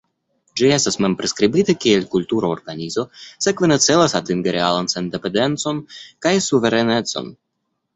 Ĝi estas mem-priskribita kiel kultura organizo, sekve ne celas atingi realan sendependecon kaj suverenecon.